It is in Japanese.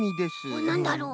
おっなんだろう？